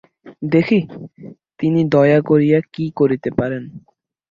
দেখি, তিনি দয়া করিয়া কী করিতে পারেন।